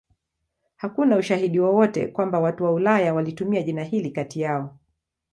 Hakuna ushahidi wowote kwamba watu wa Ulaya walitumia jina hili kati yao.